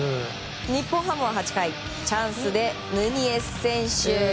日本ハムは８回チャンスでヌニエス選手。